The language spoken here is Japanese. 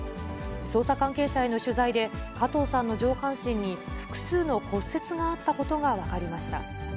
捜査関係者への取材で、加藤さんの上半身に複数の骨折があったことが分かりました。